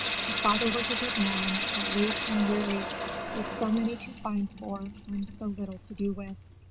The father was a good man, but weak and weary with so many to find for and so little to do it with.